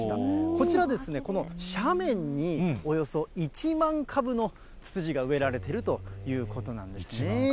こちら、斜面におよそ１万株のツツジが植えられているということなんですね。